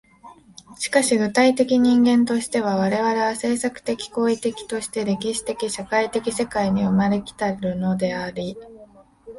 しかし具体的人間としては、我々は制作的・行為的として歴史的・社会的世界に生まれ来たるのであり、